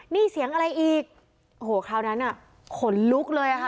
นี่เสียงอะไรอีกโอ้โหคราวนั้นอ่ะขนลุกเลยอ่ะค่ะ